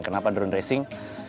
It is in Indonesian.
kenapa drone racing